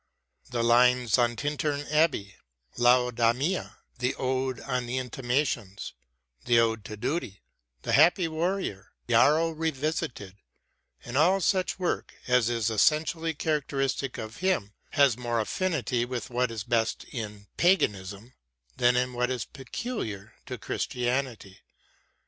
The " Lines on Tintern Abbey," " Laodamia," the " Ode on the Intimations," the " Ode to Duty," " The Happy Warrior," " Yarrow Revisited," and all such work as is essentially characteristic of him has more WORDSWORTH AS A TEACHER 115 affinity with what is best in Paganism than in what is peculiar to Christianity.